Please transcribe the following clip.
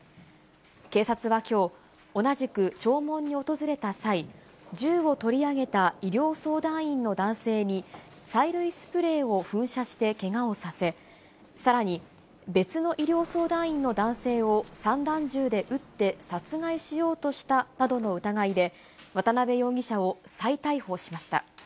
警察はきょう、同じく弔問に訪れた際、銃を取り上げた医療相談員の男性に、催涙スプレーを噴射してけがをさせ、さらに別の医療相談員の男性を散弾銃で撃って殺害しようとしたなどの疑いで、渡辺容疑者を再逮捕しました。